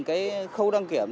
cái khó khăn của người dân